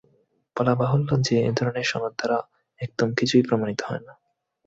বলাবাহুল্য যে, এ ধরনের সনদ দ্বারা একদম কিছুই প্রমাণিত হয় না।